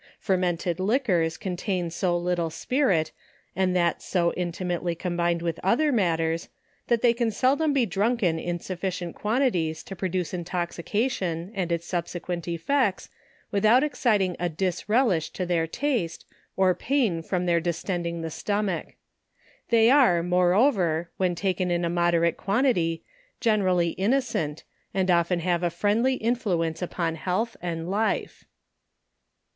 Fer mented liquors contain so little spirit, and that so inti mately combined with other matters^ that they can sel dom be drunken in sufficient quantities to produce intoxi cation, and its subsequent effects, without exciting a dis relish to their taste, or pain, from their distending the stomach. They are, moreover, when taken in a moderate quantity, generally innocent, and often have a friendly influence upon health and life.